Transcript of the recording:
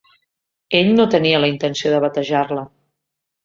Ell no tenia la intenció de batejar-la.